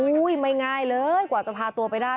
แต่เขาบอกโอ้โหไม่ง่ายเลยกว่าจะพาตัวไปได้